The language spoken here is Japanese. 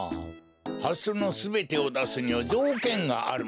ハスのすべてをだすにはじょうけんがあるのじゃ。